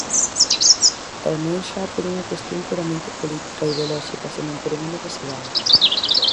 E non xa por unha cuestión puramente política, ideolóxica, senón por unha necesidade.